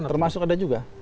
termasuk ada juga